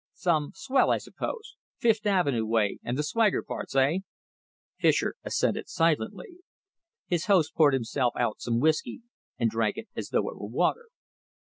"Some swell, I suppose? Fifth Avenue way and the swagger parts, eh?" Fischer assented silently. His host poured himself out some whisky and drank it as though it were water.